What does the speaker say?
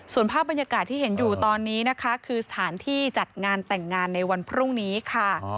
ส่วนภาพบรรยากาศที่เห็นอยู่ตอนนี้นะคะคือสถานที่จัดงานแต่งงานในวันพรุ่งนี้ค่ะ